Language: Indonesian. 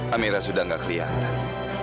amira sudah gak kelihatan